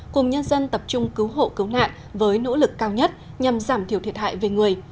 cùng nhân dân tập trung cứu hộ cứu nạn với nỗ lực cao nhất nhằm giảm thiểu thiệt hại về người